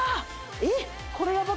えっ？